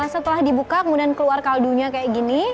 setelah dibuka kemudian keluar kaldunya kayak gini